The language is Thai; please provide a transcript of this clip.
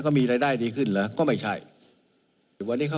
ก็โดนหมดล่ะ